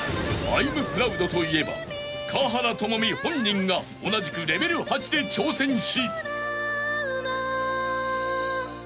［『Ｉ’ｍｐｒｏｕｄ』といえば華原朋美本人が同じくレベル８で挑戦し］